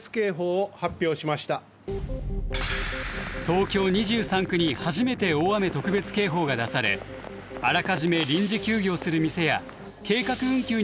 東京２３区に初めて大雨特別警報が出されあらかじめ臨時休業する店や計画運休に踏み切る